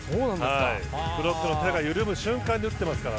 ブロックの手が緩む瞬間に打っていますから。